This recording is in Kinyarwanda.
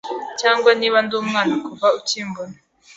Cyangwa niba ndi umwana kuva ukimbona